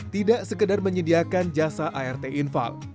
tidak sekedar menyediakan jasa art infal